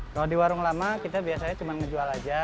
kalau di warung lama kita biasanya cuma ngejual aja